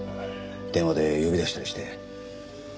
電話で呼び出したりして。